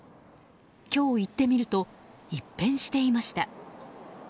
今日、行ってみると一変していました。